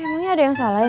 emangnya ada yang salah ya